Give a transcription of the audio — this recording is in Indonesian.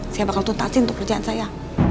saya bakal tuntasin untuk kerjaan saya